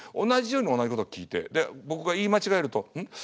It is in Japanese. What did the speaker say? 同じように同じことを聞いて僕が言い間違えると「ん？